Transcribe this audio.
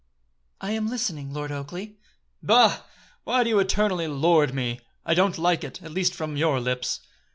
"I am listening, Lord Oakleigh." "Bah! Why do you eternally 'lord' me? I don't like it, at least from your lips."